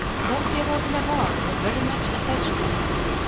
Don Pierrot de Navarre was very much attached to them.